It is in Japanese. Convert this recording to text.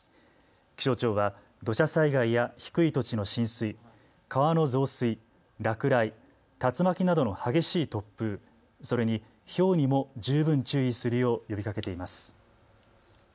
気象庁は土砂災害や低い土地の浸水、川の増水、落雷、竜巻などの激しい突風、それにひょうにも十分注意するよう呼びかけています。